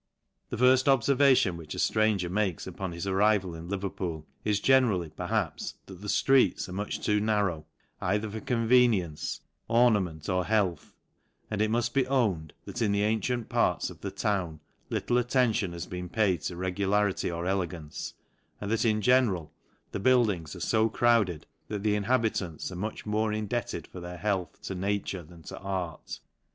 The firft obfervation which a ftranger makes upon his arrival in Leverpool is generally, perhaps, that the fir eels are much too narrow, either for conve nience, LANCASHIRE. 265 lience, ornament, or health ; and it mull: be own •d* that in the antient parts of the town, little at ention has been paid to regularity or elegance > and hat, in general, the buildings are fo crowded, that he inhabitants are much more indebted for their leahh to nature than to art.